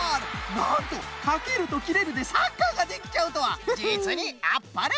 なんと「かける」と「きれる」でサッカーができちゃうとはじつにあっぱれ！